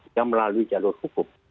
yang melalui jalur hukum